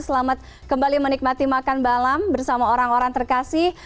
selamat kembali menikmati makan malam bersama orang orang terkasih